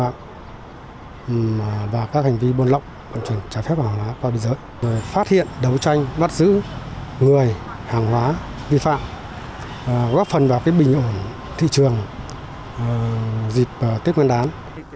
tại các cửa khẩu biên giới trên địa bàn kiểm soát góp phần bình ổn giá cả thị trường